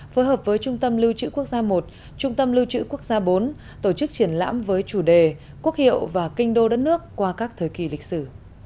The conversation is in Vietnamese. phối hợp với trung tâm lưu trữ quốc gia i trung tâm lưu trữ quốc gia bốn tổ chức triển lãm với chủ đề quốc hiệu và kinh đô đất nước qua các thời kỳ lịch sử